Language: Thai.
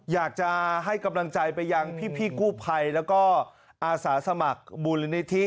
อยากจะให้กำลังใจไปยังพี่กู้ภัยแล้วก็อาสาสมัครมูลนิธิ